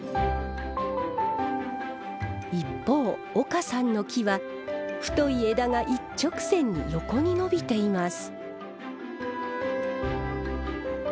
一方岡さんの木は太い枝が一直線に横に伸びています。